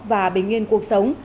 và bình yên cuộc sống